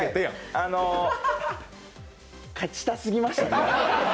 あのう、勝ちたすぎましたね